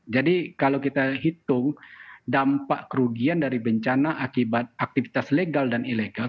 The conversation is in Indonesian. jadi kalau kita hitung dampak kerugian dari bencana akibat aktivitas legal dan ilegal